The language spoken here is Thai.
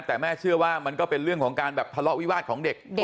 แต่แม่เชื่อว่ามันก็เป็นเรื่องของการแบบทะเลาะวิวาสของเด็ก